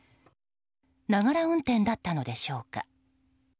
ながら運転だったのでしょうか。